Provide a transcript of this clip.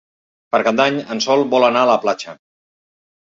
Per Cap d'Any en Sol vol anar a la platja.